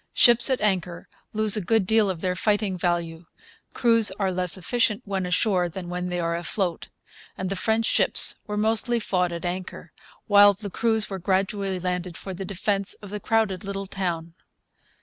Ships at anchor lose a good deal of their fighting value. Crews are less efficient when ashore than when they are afloat; and the French ships were mostly fought at anchor, while the crews were gradually landed for the defence of the crowded little town.